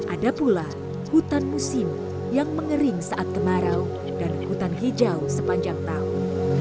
ada pula hutan musim yang mengering saat kemarau dan hutan hijau sepanjang tahun